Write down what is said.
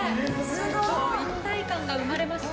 一体感が生まれました。